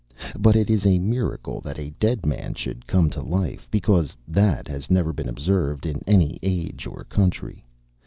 But it is a miracle that a dead man should come to life; because that has never been observed in any age or country.